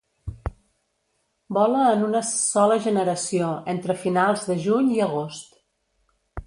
Vola en una sola generació entre finals de juny i agost.